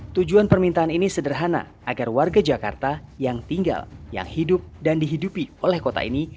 tujuan permintaan ini sederhana agar warga jakarta yang tinggal yang hidup dan dihidupi oleh kota ini